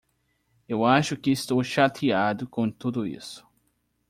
Eu acho que estou chateado com tudo isso.